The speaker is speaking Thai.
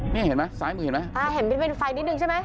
นี่เห็นไหมซ้ายมือเห็นไหมอ่าเห็นเป็นไฟนิดนึงใช่ไหม